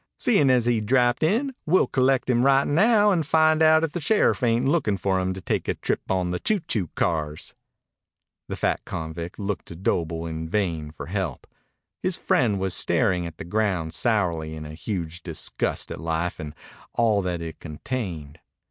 Seein' as he drapped in, we'll collect him right now and find out if the sheriff ain't lookin' for him to take a trip on the choo choo cars." The fat convict looked to Doble in vain for help. His friend was staring at the ground sourly in a huge disgust at life and all that it contained.